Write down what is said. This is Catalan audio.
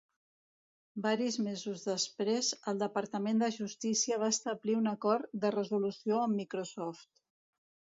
Varis mesos després, el Departament de Justícia va establir un acord de resolució amb Microsoft.